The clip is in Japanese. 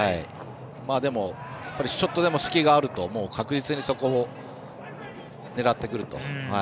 でも、ちょっとでも隙があると確実にそこを狙ってくると。